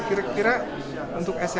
kira kira untuk sma